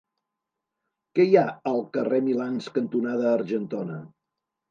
Què hi ha al carrer Milans cantonada Argentona?